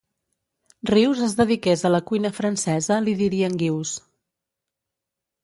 Rius es dediqués a la cuina francesa li dirien Guius.